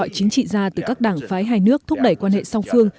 ông tống đào kêu gọi chính trị ra từ các đảng phái hai nước thúc đẩy quan hệ song phương